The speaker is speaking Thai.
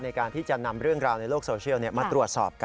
ในการที่จะนำเรื่องราวในโลกโซเชียลมาตรวจสอบกัน